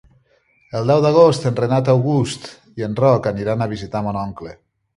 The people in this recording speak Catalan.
El deu d'agost en Renat August i en Roc aniran a visitar mon oncle.